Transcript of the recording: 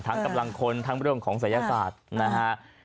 ทั้งกำลังคนทั้งเรื่องของสยากาศนะฮะ